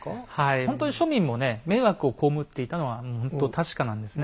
ほんとに庶民も迷惑を被っていたのはもうほんと確かなんですね。